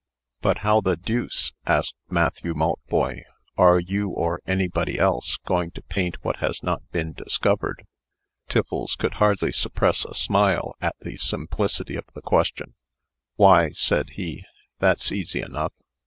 "But how the deuce," asked Matthew Maltboy, "are you, or anybody else, going to paint what has not been discovered?" Tiffles could hardly suppress a smile at the simplicity of the question. "Why," said he, "that's easy enough.